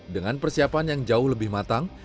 dengan persiapan yang jauh lebih matang